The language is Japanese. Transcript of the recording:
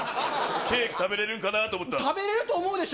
ケーキ食べれるんかな？と思食べれると思うでしょ。